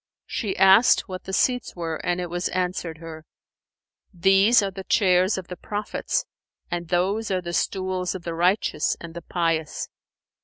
She asked what the seats were and it was answered her, "These are the chairs of the prophets and those are the stools of the righteous and the pious."